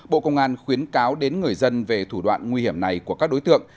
bộ công an khuyến cáo đến người dân về thủ đoạn nguy hiểm này của các đối tượng